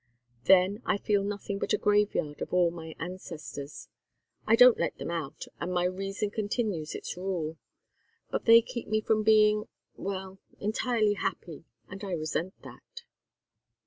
Then I feel nothing but a graveyard of all my ancestors. I don't let them out, and my reason continues its rule, but they keep me from being well entirely happy, and I resent that."